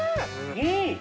うん！